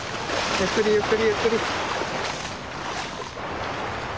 ゆっくりゆっくりゆっくり。